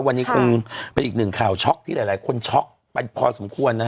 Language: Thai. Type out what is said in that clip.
วันนี้คงเป็นอีกหนึ่งข่าวช็อกที่หลายคนช็อกไปพอสมควรนะฮะ